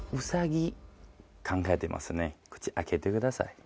こっち開けてください。